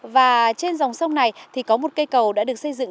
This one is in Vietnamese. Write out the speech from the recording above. và trên dòng sông này thì có một cây cầu đã được xây dựng